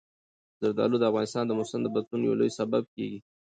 زردالو د افغانستان د موسم د بدلون یو لوی سبب کېږي.